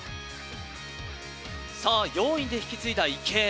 さあ、４位で引き継いだ池江。